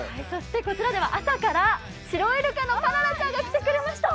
こちらでは朝からシロイルカのパララちゃんが来てくれました。